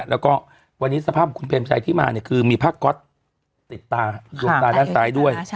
แล้วก็วันนี้สภาพของคุณเปรมชัยที่มาเนี่ยคือมีผ้าก๊อตติดตาดวงตาด้านซ้ายด้วย